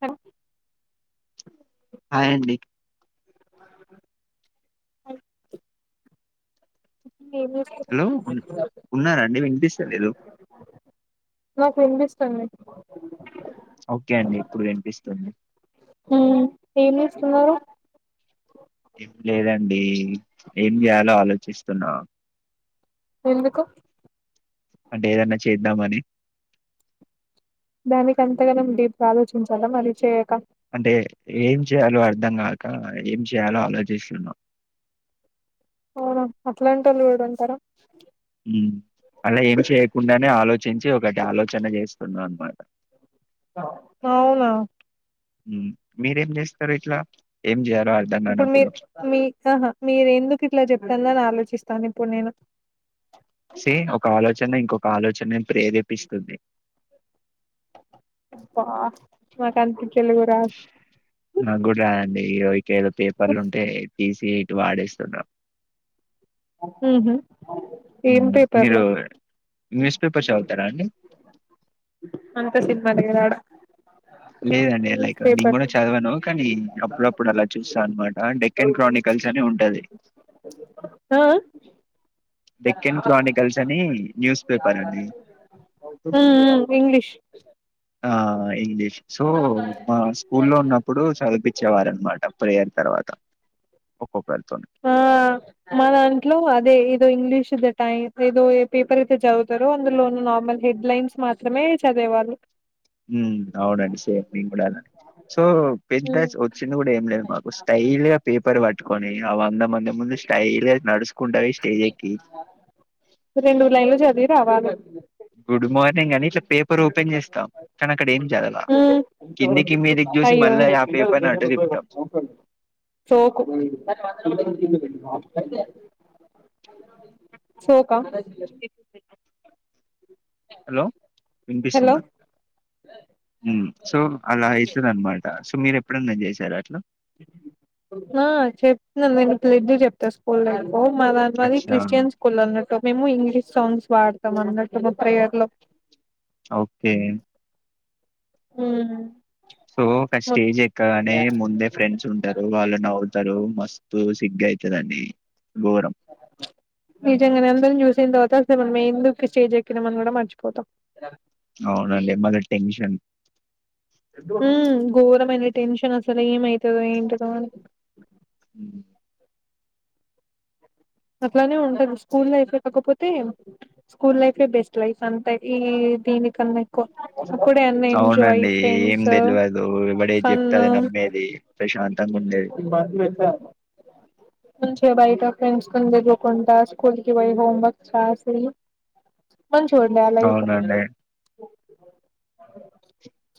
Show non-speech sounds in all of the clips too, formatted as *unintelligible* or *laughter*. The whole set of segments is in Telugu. హ హాయండి ఏం చేస్తున్నారు హలో ఉన్ ఉన్నారా అండి వినిపిస్ తెలిదు నాకు వినిపిస్తుంది ఒకే అండి ఇప్పుడు వినిపిస్తుంది హ్మ్ ఏం జేస్తున్నారు ఏం లేదండి ఏం జేయాలో ఆలోచిస్తున్నా ఎందుకు అంటె ఏదన్న చేద్దామని దానికంతగనం డీప్ గాలోచించాలా మరి చేయక అంటె ఏం చేయ్యాలో అర్థం గాక ఏం చేయ్యాలో ఆలోచిస్తున్నా అవునా అట్లాంటోళ్ళు గూడుంటరా ఉమ్ అలా ఏం చేయకుండానే ఆలో చించి ఒకటాలోచన చేస్తున్నా అనమాట ఔనా ఉమ్ మీరేం జేస్తరు ఇట్ల ఏం జేయా ఇప్పుడు మీర్ మీ ఆహా మీరెందుకు ఇట్ల చెప్తందని ఆలోచిస్తాను ఇప్పుడ్ నేను సే ఒక ఆలోచన్ని ఇంకొక ఆలోచనే ప్రేరేపిస్తుంది అబ్బా మొకానికి తెలుగు రాద్ నాగ్గూడ్ రాదండి ఇగో ఇ ఏదో పేపర్లుంటే తీస్ ఈటు వాడేస్తుండా ఉహు ఏం ఉమ్ మీరు పేపర్లు న్యూస్ పేపర్ చదువుతారా అండి అంత సినిమా లేదాడా లేదండి లైక్ నేను గూడా చదవను కానీ అప్పుడప్పుడు అలా చూస్తా అనమాట డెక్కెన్ క్రానికల్స్ అని ఉంటది అ అ డెక్కన్ క్రానికల్స్ అని న్యూస్ పేపర్ అండి ఆ ఇంగ్లీష్ ఆ ఇంగ్లీష్ సో మా స్కూల్లో ఉన్నప్పుడు చదిపించేవారన్మాట ప్రేయర్ తర్వాత ఒకక వె ఆ మా దాంట్లో అదే ఏదో ఇంగ్లీష్ ద టైమ్ ఏదో ఏ పేపర్ అయితే చదువుతారో అందులో ఉన్న నార్మల్ హెడ్లైన్స్ మాత్రమే చదివేవాళ్ళు ఉ అవునండి సేమ్ మేము కూడా అలాని సో పెద్ద వచ్చిన కూడా ఏం లేదు మాకు స్టైల్ గా పేపర్ పటి టుకొని అంద మ ఇ ముందు స్టైల్ గ నడస్కుంట పోయి ఏ రెండుూరులైంగలో చది వ గుడ్ మార్నిం నేను కాని ఇట్లా పేపర్ ఓపెన్ చేస్తాం కానీ అక్కడ ఏం చేదావా మ్మ్ అయ్యో అటు తిప్పుతాం జోకు సోకా హలో హలో వినిపిస్తుందా ఉ సో అలా అ యితదన అన్నమాట సో మీరు ఎప్పుడుందని చేశారు అట్లా ఆ చెప్తున్నాను నేను డ్ చెప్తా స్కూల్ ఓ మ అ మది అచ్చా క్రిస్టియన్ స్కూల్ అన్నట్టు మేము ఇంగ్లీష్ సాంగ్స్ వాడతాం అన్నట్టు మా ప్రేయర్ లో ఓకే ఉ సో ఒక స్టేజ్ ఎక్కగానే ముందే ఫ్రెండ్స్ ఉంటారు వాళ్ళు నవ్ ఇస్తారు మస్తు సిగగైతదని నిజంగా ఇదంతా చూసి అసలు మేము ఎందుకు స్టేజ్ ఎకినమని కూడా మర్చిపోతాం అవునండి మళ్ళ టెన్షన్ ఉ గోరమైనైన టెన్షన్ సర ఏం అయితదో ఏంటో *unintelligible* ఉ అట్లానే ఉంటది స్కూల్ లైఫ్ కాకపోతే స్కూల్ లైఫే బెస్ట్ లైఫ్ అంతే ఈ దీనికి కన్నా ఎక్కువ అన్న ఎంజాయ్ అవునండి ఏం ఫ్రెండ్స్ తెల్వదు ఫన్న ట్టాండేది నుంచి బయట ఫ్రెండ్స్ కదికిపోకుంట స్కూల్ కి పోయి హోమ్ వర్క్ చసంది మచూగుండే ఆ స అవునండి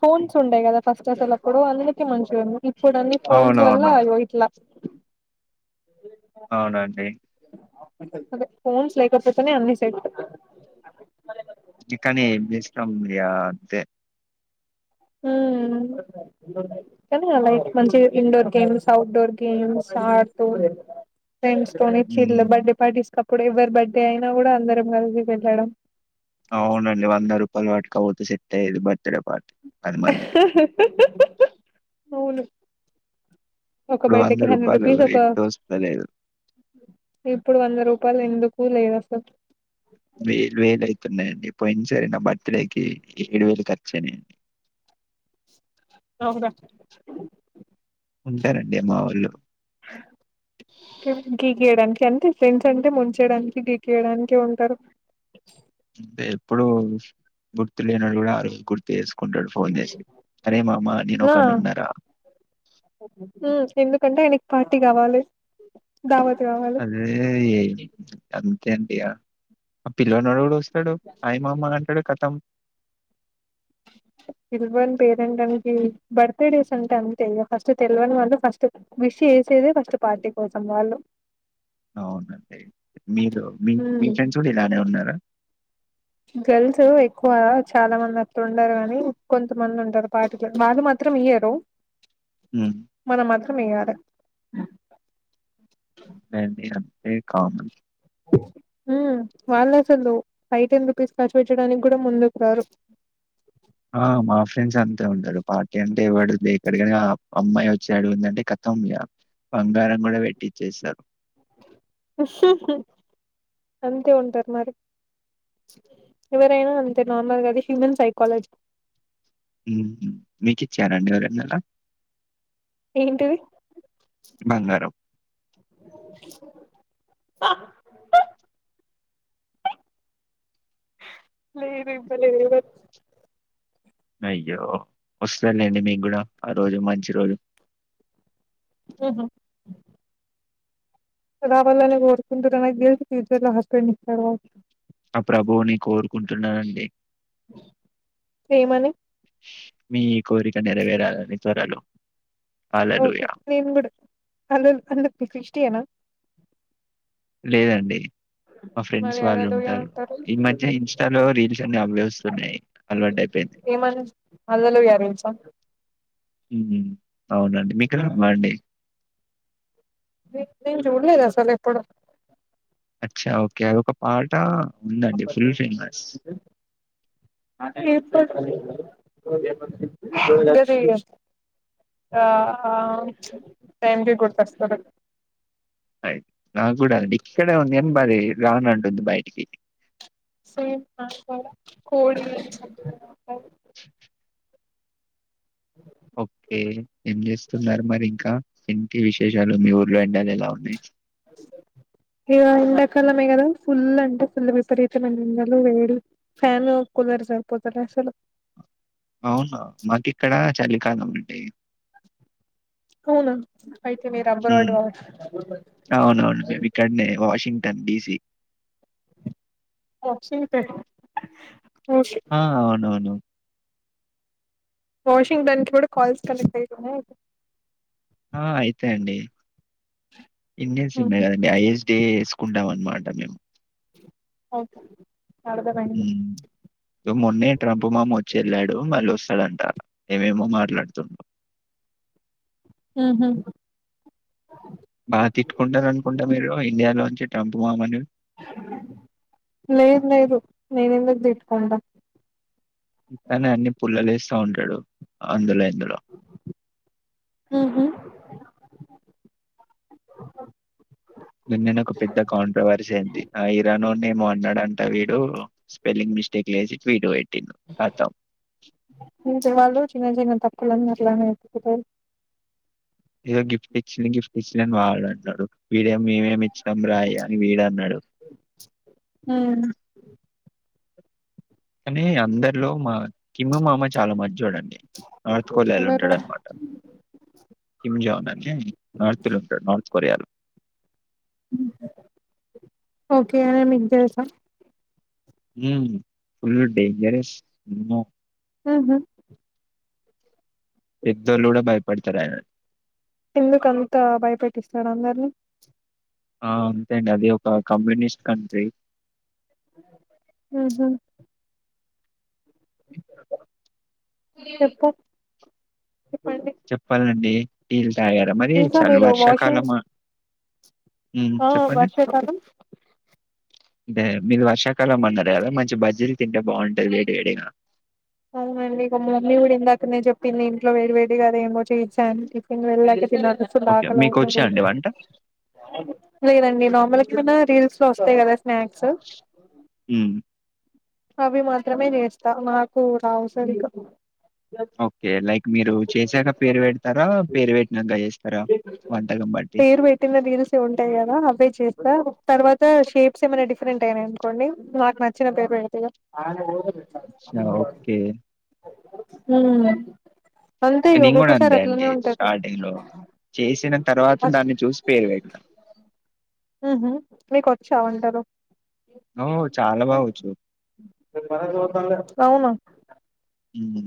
ఫోన్స్ ఉండేవి కదా ఫస్ట్ అసలు అప్పుడు అందుక మంచిగా ఇప్పుడు ఫన్స్ అవునవును వల్యోయిట్లా అవునండి అదే ఫోన్స్ లేకపోతేనే అన్ని సెట్ ఇకని ఏంచేస్తాం ఇగ అంతే ఉ క లైక్ మంచి ఇండోర్ గేమ్స్ ఔట్డోర్ గేమ్స్ ఆడుతూ ఫ్రెంస్ తోనే చిల్లీ ఉమ్ బర్త్డే పార్టీస్ ఇప్పుడు ఎవ్వరి బర్త్డే అయినా కూడా అందరం కలిసి వెళ్ళడం. అవునండి వంద రూపాయలు పట్కపో సిట్ అయేది బర్త్డే పార్టీ. అది మళ్ళీ హాహా. అవును ఒక ఇప్పుడు రూ. బడేకి హండ్రెడ్ రూపీస్ ఒక ఎట్టొస్తలేదు. ఇప్పుడు వంద రూపాయలు ఎందుకు. కూల్ ఏం వస్తాం వేలు వేలు అయితున్నాయండి పోయిన సరే నా బర్త్ డేకి ఏడు వేలు ఖర్చునాయ్ ఉంటారండి మా ఒళ్ళు యడానికి అంటే ఫ్రెండ్స్ అంటే ముంచయడానికి గికేయడానికి ఉంటారు. ఎప్పుడు గుర్తు లేనడు కూడా ఆ రోజు గుర్తు వేసు అనుకుంటాడు ఫోన్ చేసి అరే మామా నేను ఒకన్ని ఉన్నారా హ్మ్ ఎందుకంటే ఆయనకి పార్టీ కావాలి. దావత్ కావాలి అది అం అంతే అండి పిల్వనోడు వస్తాడు హాయ్ మామ అంటాడు ఖతం. తెలవని పేరెంట్కి బర్త్ డేస్ అంటే అంతే ఫస్ట్ తెలవని వాళ్ళు ఫస్ట్ విష్ వేసేదే ఫస్ట్ పార్టీ కోసం వాళ్ళు. అవునండి మీరు మీ మీ ఫ్రెండ్స్ కూడా ఇలానే ఉన్నారా. గల్స్ ఎక్కువ. చాలా మంది అక్కలు ఉండారు కానీ కొంతమంది ఉంటారు పార్టీ వాళ్ళు మాత్రం ఇయ్యరు హ్మ్. మనం మాత్రం ఇయాలి ఏండి ఏ కామన్ హ్మ్ వాళ్ళు అసలు ఫైవ్ టెన్ రూపీస్ ఖర్చు పెట్టడానికి కూడా ముందుకు రారు ఆ మా ఫ్రెండ్స్ అంతే ఉంటాడు పార్టీ అంటే ఎవడు దేకడు గాని అమ్మాయి వచ్చే అడుగుందంటే ఖతం బంగారం కూడా పెట్టి ఇచ్చేసారు. అంతే ఉంటారు మరి ఎవరైనా అంతే నార్మల్గాది హ్యూమన్ సైకాలజీ. మీకు ఇచ్చారండి ఎవరైన ఏంటిది. బంగారం. లేదు ఇవ్వలేదు. అయ్యో వస్తేలేండి మీకు కూడా ఆ రోజు మంచి రోజు. ఆహ్. రావాలనే కోరుకుంటున్న నాకు తెల్సి ఫ్యూచర్ లో హస్బెండ్ ఇస్తాడు క. ఆ ప్రభువుని కోరు. కుంటున్నానండి ఏ మనీ మీ కోరిక నరవేరాలి అని సరేలో ఓకే నేన్ కూడా హల అంత క్రిస్టియానా లేదండి మా ఫ్రెండ్స్ మరి వాళ్ళు అల్లెలుయా ఉంటారు అంటారు ఈ మధ్య ఇన్స్టాలో రీల్స్ అన్ని అవలస్తున్నాయి అలవాటు అయిపోయింది ఆ మ్మ్ అవునండి మీకుమ్మ అండి నేను చూడలేదు అసలు ఎప్పుడు అచ్చా ఓకే అది ఒక పాట ఉందండి. Full famous. ఇప్పుడు ఆ టైమ్కి గుర్తస్తాలే అయితే నా కూడా అండి ఇక్కడ వంద ఎంబది రావనాంంట ఉంది బయక్ సేమ్ కోడి ఓకే ఏం చేస్తున్నారు మరి ఇంకా ఇంటి విశేషాలు మీ ఊర్లో ఎంండాల ఎలా ఉన్నాయి ఇగ ఎండాకాలమే కదా ఫుల్ అంటే ఫుల్ విపరీతమైన ఉండలు వేడి ఫ్యాన్ కూలర్స్యిపోతారు అసలు అవునా మాకు ఇక్కడ చలికాలం అండి అవునా అయితే మీరు అబ్రాడ్ మ్మ్ కావచ్చు అవునవును మే ఇక్కడనే వాషింగ్న్ ఎబీసి ఆ! అవునవును. *unintelligible* వాషింగ్టన్ కి కూడా కాల్స్ కలె *inaudible* ఆ అయితే అండి ఇన్న సిమ్ే కదండి ఐఎస్డ వేసుకుంటామ మాటే ఓకే అర్థమైంది హ్ మొన్నే ట్రంప్ మామ వోచ్చి ఏళ్ళాడు మళ్ళీ వస్తాడంట. ఏమేమో మాట్లాడుతున్నా హ్ హు బాగా తిట్టుకుంటారు. అనుకుంటా మీరు ఇండియాలోంచి ట్రంప్ మామని లేదు లేదు నేను ఎందుకు తిట్టుకుంటా కానీ అన్ని పుల్లలేస్తా ఉంటాడు అందులో ఇందులో హ్ హు నిన్ననే ఒక పెద్ద కాంట్రవర్సీ అయింది. ఆ ఇరానొన్ని ఏమో అన్నాడంట వీడు స్పెల్లింగ్ మిస్ తిక్కలేసి ట్విట్ పెట్ వాళ్ళు చిన్న చిన్న తప్ తప్పులన్నీ *unintelligible* ఎతుకుతారు. ఏదో గిఫ్ట్ ఇచ్చి గిఫ్ట్ ఇచ్చినని వాడు అన్నడు. వీడే మేమేమి ఇచ్చినం. రాయ అని వీడు అన్నాడు. కానీ అందరిలో మా కిమ్ మామ చాలా మంచోడండి నార్త్ కొరియాలో ఎవరు ఉంటాడు. అన్నమాట కిమ్ జాన్ అని నార్త్లో ఉంటాడు. నార్త్ కొరియాలో ఓకే అయానా మీకు తెలుసా ఉ ఫుల్ డేంజరస్ కీ మ్మో హ్ హు పెద్దోళ్ళు కుడ బయ పడతరూ అయినా ఎందుకు అంతా భయపెట్టిస్తాడ అందరిని ఆ అంతే అండి అది ఒక కమ్యూనిస్ట్ కంట్రీ హ్ హు చెప్పు చెప్పండి చెప్పాలండి. టీ లు తగారా మరి ఇంకా చాల్ మీరు వాషింగ్ వర్షాకాలమా హ్మ్. ఆ చెప్పండి? వర్ష కాలం అదే మీరు వర్షాకాలం. అన్నారు గాదా మంచి బజ్జీలు తింటే బాగుంటది. వేడి వేడిగా అవునండి. ఒక మమ్మీ కూడా ఇందాకనే చెప్పింది. ఇంట్లో వేడి వేడి అదేమో చేయొచ్చా అని టిఫిన్ వెళ్ళాక తిన్నాక *unintelligible* ఓకే. మీకొచ్చా ఆకలవుతుంది. అండి వంట? లేదండి మా అమ్మలకి ఎప్పుడన్న రీల్స్ లో ఓస్తయి. గాదా స్నాక్స్ హ్మ్. అవి మాత్రమే చేస్తా నాకు రావ్ సర్ ఇంకా ఓకే లైక్ మీరు చేసాక పేరు పెడతారా పేరు పెట్టినంక చేస్తారా వంటకం బట్టి పేరు పెట్టిన రీల్స్ ఉంటాయి కదా అవే ప్రింట్ట్ అయినాయి అనుకొండి నాకు నచ్చిన పేర్ పెడు అ ఓకే హ్ నేను కూడా అంతే అండి స్టార్టింగ్ లో చేసిన తర్వాత దాన్ని చూసి పేరుపేడ్తా హ్మ్ హు మీకు వచ్చా వంటలు ఓహ్! చాలా బా వచ్చు. అవునా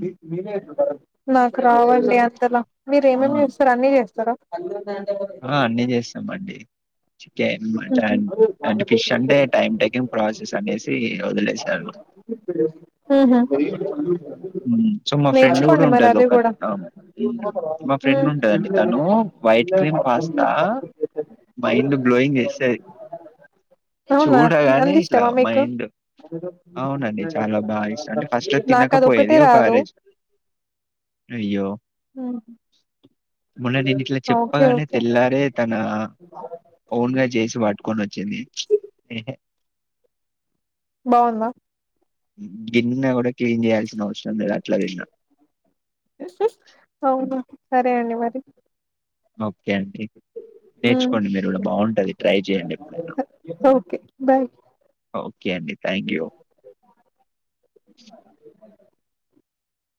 మీ మీరే ఎట్లుంటరు నాకు రావండి అంతలా మీరు ఎం ఎం హ్మ్. చేస్తారు అన్ని చేస్తారా అన్ని ఉన్నాయ్ ఆ అన్నీ చేస్తామండి చికెన్ ఉహు మటన్ ఫిష్ అంటే టైం టేకింగ్ ప్రాసెస్ అనేసి వదిలేసాను ఉహు హ్మ్ సో మా ఫ్రెండ్ కూడా నేర్చుకోండి మరి ఉంటది అది ఒక కూడా మా ఉమ్ ఫ్రెండ్ ఉంటదండి తను white cream pasta mind blowing అవునా చూడగానే అంత ఇట్లా ఇష్టమా మీకు మైండ్ అవునండి చాలా బాగా ఇష్ట అంటే ఫస్ట్ లో నాకు అది ఒకటే తినకపోయేది ఒక ఆ రాదు రేజ్ అయ్యో మొన్న నేనిట్ల చప్ ఓకే తప్పగానే ఓకే తెల్లారే తన ఓన్ గా చేసి పట్టుకొని వచ్చింది ఎహె బాగుందా గిన్నె కూడా క్లీన్ చెయ్యాల్సి అవసరం లేదు అట్లా తిన్న అవును సరే అండి మరి ఓకే ఓకే అండి ఉమ్ నేర్చుకోండి మీరు కూడా బాగుంటది ట్రై చెయండి ఎప్పుడైనా ఓకే బాయ్ ఓకే ఓకే అండి థ్యాంక్ యూ. *inaudible*